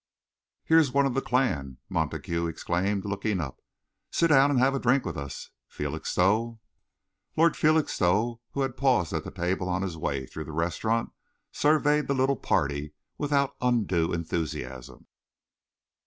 "Here's one of the clan!" Montague exclaimed, looking up. "Sit down and have a drink with us, Felixstowe." Lord Felixstowe, who had paused at the table on his way through the restaurant, surveyed the little party without undue enthusiasm.